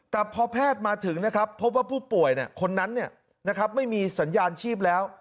แต่พอแพทย์มาถึงนะครับพบว่าผู้ป่วยคนนั้นไม่มีสัญญาณชีพแล้ว